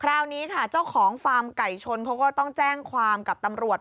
คราวนี้ค่ะเจ้าของฟาร์มไก่ชนเขาก็ต้องแจ้งความกับตำรวจ